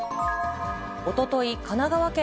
おととい、神奈川県